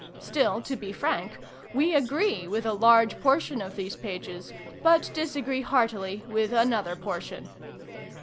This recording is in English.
Still, to be frank, we agree with a large portion of these pages, but disagree heartily with another portion."